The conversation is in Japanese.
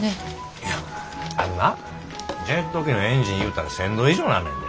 いやあんなジェット機のエンジンいうたら１，０００度以上になんねんで。